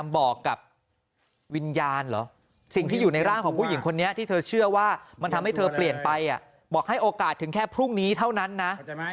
บอกให้โอกาสถึงแค่พรุ่งนี้เท่านั้นนะ